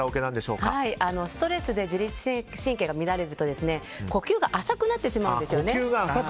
ストレスで自律神経が乱れると呼吸が浅くなってしまうんですよね。